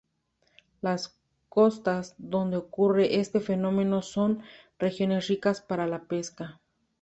Las costas donde ocurre este fenómeno son regiones ricas para la pesca.